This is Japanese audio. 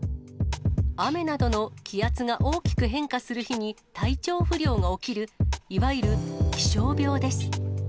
雨などの気圧が大きく変化する日に、体調不良が起きる、いわゆる気象病です。